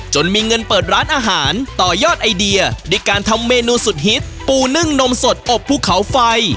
จนมีเงินเปิดร้านอาหารต่อยอดไอเดียด้วยการทำเมนูสุดฮิตปูนึ่งนมสดอบภูเขาไฟ